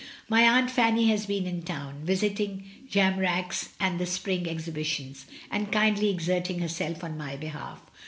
My Aunt Fanny has been in town, visiting Jamrach's and the spring exhibitions, and kindly exerting herself on my behalf.